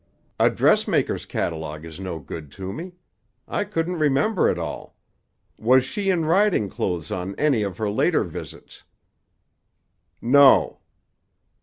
A dressmaker's catalogue is no good to me. I couldn't remember it all. Was she in riding clothes on any of her later visits?" "No."